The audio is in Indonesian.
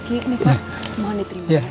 papa belum sarapan